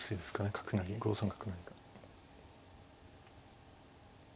角成５三角成が。